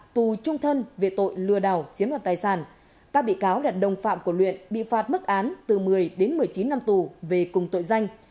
tù trung thân về tội lừa đảo chiếm đoạt tài sản các bị cáo là đồng phạm của luyện bị phạt mức án từ một mươi đến một mươi chín năm tù về cùng tội danh